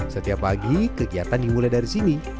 setiap pagi kegiatan dimulai dari sini